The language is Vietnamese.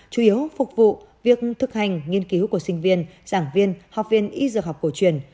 chủ yếu phục vụ việc thực hành nghiên cứu của sinh viên giảng viên học viên y dược học cổ truyền